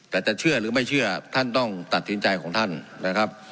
แต่จะเชื่อหรือไม่เชื่อท่านต้องตัดสินใจของท่านนะครับ